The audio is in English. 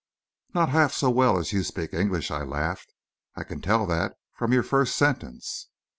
"Not half so well as you speak English," I laughed. "I can tell that from your first sentence."